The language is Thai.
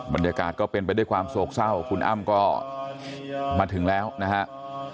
บรรยากาศก็เป็นไปด้วยความโศกเศร้าคุณอ้ำก็มาถึงแล้วนะครับ